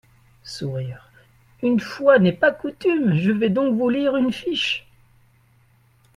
(Sourires.) Une fois n’est pas coutume, je vais donc vous lire une fiche.